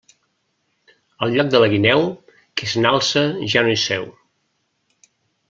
Al lloc de la guineu, qui se n'alça ja no hi seu.